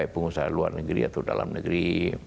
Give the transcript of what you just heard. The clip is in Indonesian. pengusaha luar negeri atau dalam negeri